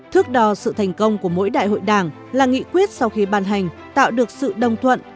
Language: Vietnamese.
thước đo sự thành công của mỗi đại hội đảng là nghị quyết sau khi ban hành tạo được sự đồng thuận